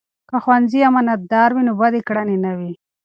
که ښوونځي امانتدار وي، نو بدې کړنې نه وي.